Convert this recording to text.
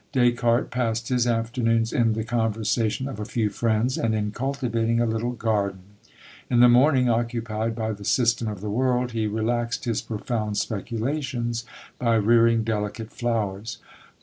Descartes passed his afternoons in the conversation of a few friends, and in cultivating a little garden; in the morning, occupied by the system of the world, he relaxed his profound speculations by rearing delicate flowers.